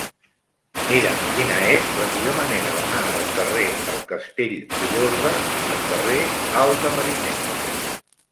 Mira'm quina és la millor manera d'anar del carrer del Castell d'Olorda al carrer Alt de Mariner.